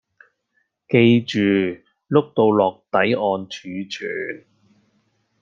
然後記住碌到落底按儲存